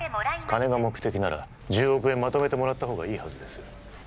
金が目的なら１０億円まとめてもらったほうがいいはずです